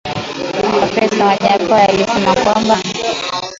profesa Wajackoya alisema kwamba